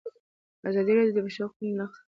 ازادي راډیو د د بشري حقونو نقض پرمختګ سنجولی.